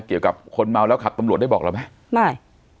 เกี่ยวกับคนเมาแล้วขับตำรวจได้บอกเราไหมไม่